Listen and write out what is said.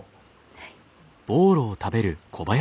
はい。